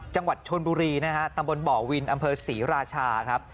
จังหวัดชนบุรีนะฮะตำบลบ่อวินอำเภอศรีราชาครับ